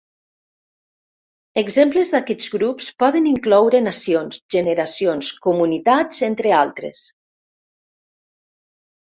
Exemples d'aquests grups poden incloure nacions, generacions, comunitats entre altres.